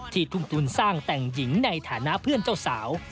ทุ่มทุนสร้างแต่งหญิงในฐานะเพื่อนเจ้าสาว